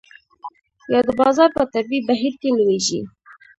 یا د بازار په طبیعي بهیر کې لویږي.